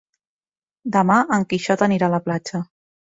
Demà en Quixot anirà a la platja.